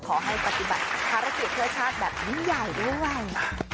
ขอให้ปฏิบัติธรรมชาติแบบนี้ใหญ่ด้วย